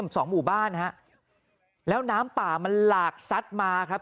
สองหมู่บ้านฮะแล้วน้ำป่ามันหลากซัดมาครับ